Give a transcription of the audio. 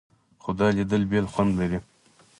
خو دا لیدل بېل خوند لري.